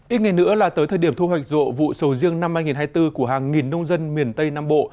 ít ngày nữa là tới thời điểm thu hoạch rộ vụ sầu riêng năm hai nghìn hai mươi bốn của hàng nghìn nông dân miền tây nam bộ